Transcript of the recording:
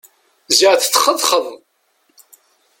Ziɣ tetxetxeḍ!